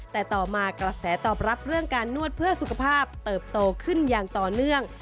แต่ต่อมากระแสตอบรับเรื่องการนวดเพื่อสุขภาพเติบโตขึ้นอย่างต่อเนื่อง